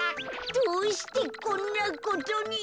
どうしてこんなことに。